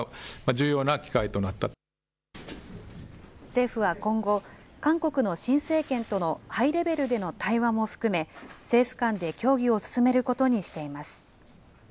政府は今後、韓国の新政権とのハイレベルでの対話も含め、政府間で協議を進めることにしています。